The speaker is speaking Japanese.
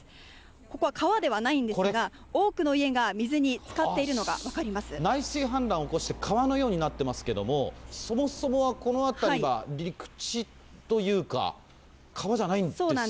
ここは川ではないんですが、多くの家が水につかっているのが内水氾濫を起こして、川のようになってますけども、そもそもは、この辺りは陸地というか、川じゃないんですよね。